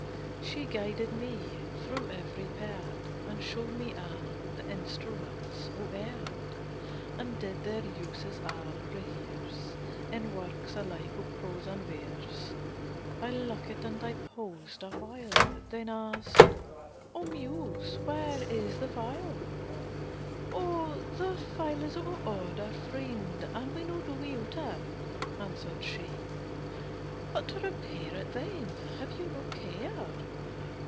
She guided me Through every part, And showed me all The instruments of art, And did their uses all rehearse, In works alike of prose and verse. I looked, and paused awhile, Then asked: "O Muse, where is the file?" "The file is out of order, friend, and we Now do without it," answered she. "But, to repair it, then, have you no care?"